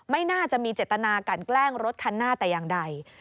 ไม่น่าจะมีเจตนากันแกล้งรถคันหน้าแต่อย่างใด